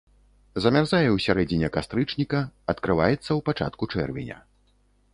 Замярзае ў сярэдзіне кастрычніка, адкрываецца ў пачатку чэрвеня.